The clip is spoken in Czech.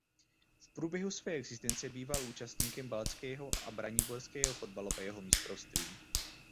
V průběhu své existence býval účastníkem Baltského a Braniborského fotbalového mistrovství.